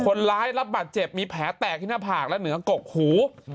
ได้รับบาดเจ็บมีแผลแตกที่หน้าผากและเหนือกกหู